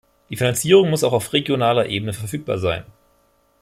Die Finanzierung muss auch auf regionaler Ebene verfügbar sein.